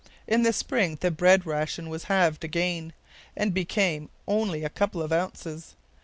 In the spring the bread ration was halved again, and became only a couple of ounces.